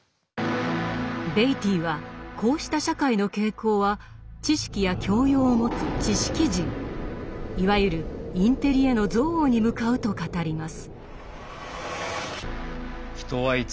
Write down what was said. ベイティーはこうした社会の傾向は知識や教養を持つ「知識人」いわゆるインテリへの憎悪に向かうと語ります。